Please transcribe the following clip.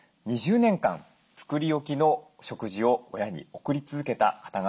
２０年間作り置きの食事を親に送り続けた方がいます。